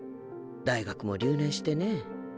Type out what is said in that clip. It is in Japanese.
大学も留年してね。